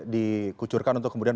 dikucurkan untuk kemudian